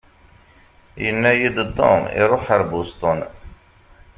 Yenna-yi-d Tom iṛuḥ ar Boston.